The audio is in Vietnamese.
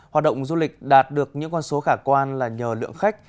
hoạt động du lịch đạt được những con số khả quan là nhờ lượng khách